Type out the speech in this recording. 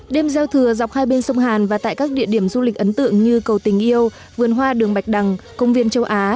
đêm giao thừa dọc hai bên sông hàn và tại các địa điểm du lịch ấn tượng như cầu tình yêu vườn hoa đường bạch đằng công viên châu á